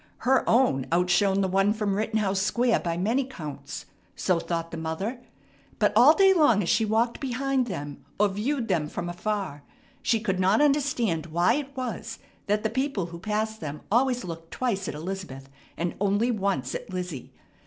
Her own outshone the one from Rittenhouse Square by many counts, so thought the mother; but all day long, as she walked behind them or viewed them from afar, she could not understand why it was that the people who passed them always looked twice at Elizabeth and only once at Lizzie.